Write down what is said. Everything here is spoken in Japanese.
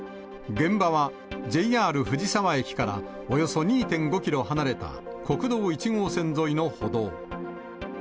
現場はＪＲ藤沢駅からおよそ２．５キロ離れた国道１号線沿いの歩道。